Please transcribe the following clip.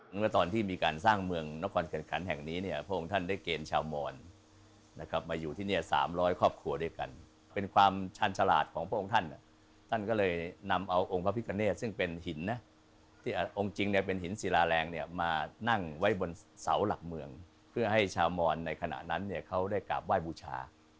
เมื่อตอนที่มีการสร้างเมืองนครกันขันแห่งนี้เนี่ยพระองค์ท่านได้เกณฑ์ชาวมอนนะครับมาอยู่ที่เนี่ย๓๐๐ครอบครัวด้วยกันเป็นความชาญฉลาดของพระองค์ท่านท่านก็เลยนำเอาองค์พระพิกาเนตซึ่งเป็นหินนะที่องค์จริงเนี่ยเป็นหินศิลาแรงเนี่ยมานั่งไว้บนเสาหลักเมืองเพื่อให้ชาวมอนในขณะนั้นเนี่ยเขาได้กราบไหว้บูชา